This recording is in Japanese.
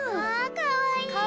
かわいい。